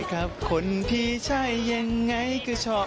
ครับคนพี่ใช่ยังไงก็ชอบ